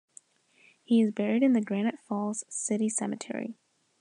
He is buried in the Granite Falls city cemetery.